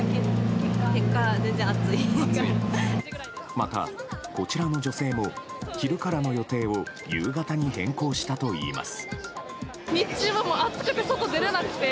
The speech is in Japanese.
また、こちらの女性も昼からの予定を夕方に変更したといいます。